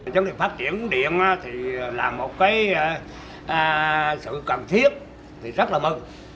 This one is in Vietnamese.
chính quyền phát triển điện là một sự cần thiết rất là mừng